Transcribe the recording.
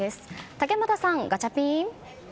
竹俣さん、ガチャピン！